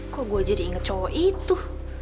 kok gue jadi inget cowok itu